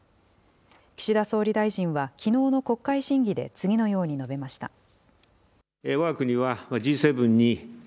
岸田総理大臣は、きのうの国会審議で次のように述べました。